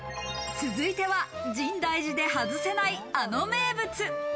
続いては、深大寺で外せないあの名物。